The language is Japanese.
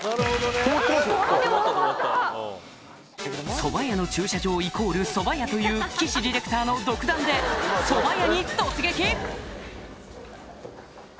そば屋の駐車場＝そば屋という岸ディレクターの独断でそば屋に突撃！